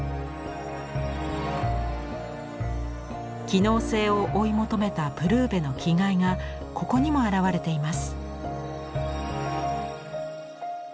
機能性を追い求めたプルーヴェの気概がここにも表れています。